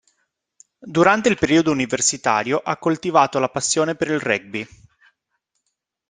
Durante il periodo universitario ha coltivato la passione per il rugby.